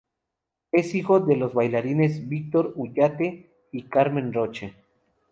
Es hijo de los bailarines Víctor Ullate y Carmen Roche.